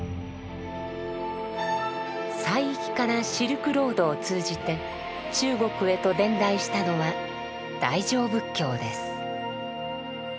西域からシルクロードを通じて中国へと伝来したのは「大乗仏教」です。